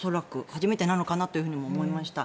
初めてなのかなと思いました。